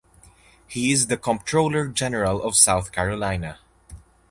He is the Comptroller General of South Carolina.